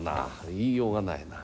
言いようがないな。